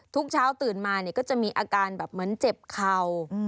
ทุกเช้าตื่นมาเนี่ยก็จะมีอาการแบบเหมือนเจ็บเข่า